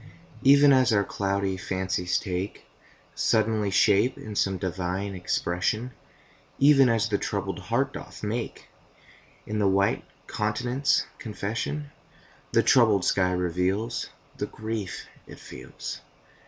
Even as our cloudy fancies take Suddenly shape in some divine expression, Even as the troubled heart doth make In the white countenance confession, The troubled sky reveals The grief it feels.